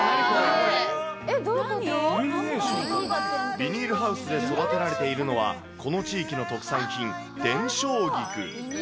ビニールハウスで育てられているのは、この地域の特産品、電照菊。